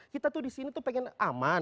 kita tuh disini tuh pengen aman